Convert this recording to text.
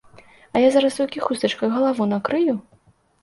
А я зараз, толькі хустачкай галаву накрыю.